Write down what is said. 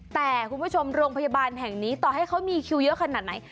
แต่คุณผู้ชมโรงพยาบาลแห่งนี้ต่อให้เขามีคิวเยอะขนาดไหน